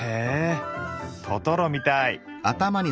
トトロみたい。